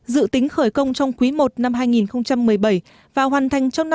dự tính khởi công trong quý i năm hai nghìn một mươi bảy và hoàn thành trong năm hai nghìn hai mươi